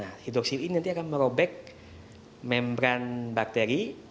nah hidroksi ini nanti akan merobek membran bakteri